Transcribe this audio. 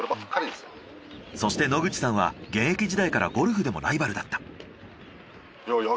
そして野口さんは現役時代からゴルフでもライバルだった。